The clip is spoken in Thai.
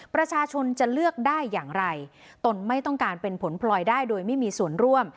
ประชาชนจะเลือกได้อย่างไรตนไม่ต้องการเป็นผลพลอยได้โดยไม่มีส่วนร่วม